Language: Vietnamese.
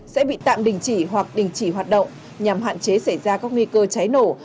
sẽ bị tạm đình chỉ hoặc đình chỉ hoạt động nhằm hạn chế xảy ra các nguy cơ cháy nổ